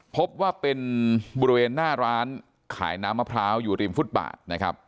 พบว่าเป็นบริเวณหน้าร้านขายน้ำมะพร้าวอยู่ริมฟุตบาทนะครับ